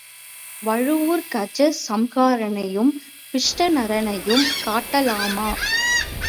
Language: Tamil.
வழுவூர் கஜ சம்ஹாரனையும் பிக்ஷாடனரையும் காட்டலாமா?